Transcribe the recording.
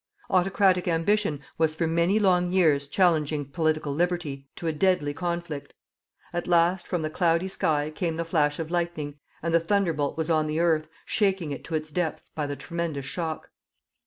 Autocratic ambition was for many long years challenging Political Liberty to a deadly conflict. At last from the cloudy sky came the flash of lightning, and the thunderbolt was on the earth shaking it to its depth by the tremendous shock.